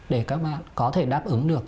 để các bạn có thể đáp ứng được